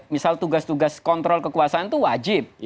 misal tugas tugas kontrol kekuasaan itu wajib